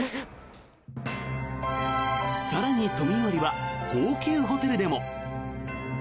更に都民割は高級ホテルでも。